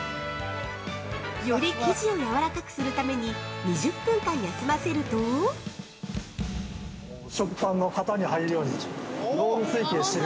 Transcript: より生地をやわらかくするために２０分間休ませると◆食パンの型に入るようにロール成形している。